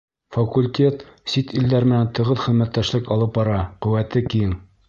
Факультет сит илдәр менән тығыҙ хеҙмәттәшлек алып бара, ҡеүәте киң.